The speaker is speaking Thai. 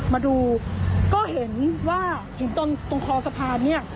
มาดูก็เห็นตรงคอสะพาน